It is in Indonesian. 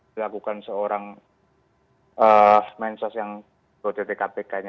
dilakukan seorang mensos yang ott kpk nya